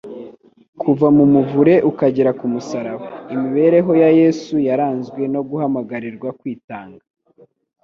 Kuva mu muvure ukagera ku musaraba, imibereho ya Yesu yaranzwe no guhamagarirwa kwitanga